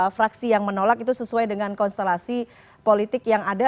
fraksi yang menolak itu sesuai dengan konstelasi politik yang ada